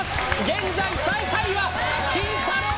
現在最下位はキンタロー。